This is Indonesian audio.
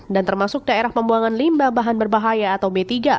dan termasuk daerah pembuangan limbah bahan berbahaya atau b tiga